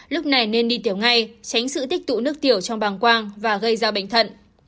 lúc này nên đi tiểu ngay tránh sự tích tụ nước tiểu trong bàng quang và gây ra bệnh thận